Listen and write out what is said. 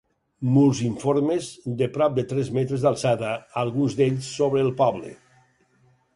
Murs informes, de prop de tres metres d'alçada alguns d'ells sobre el poble.